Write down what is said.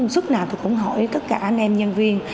suốt nào tôi cũng hỏi tất cả anh em nhân viên